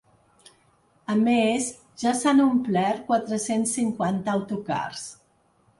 A més, ja s’han omplert quatre-cents cinquanta autocars.